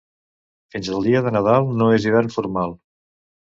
Fins al dia de Nadal no és hivern formal.